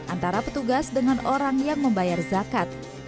antara petugas dengan orang yang membayar zakat